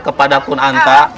kepada pun anta